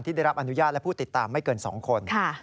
ได้รับอนุญาตและผู้ติดตามไม่เกิน๒คน